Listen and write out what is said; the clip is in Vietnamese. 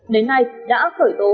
đến nay đã khởi tố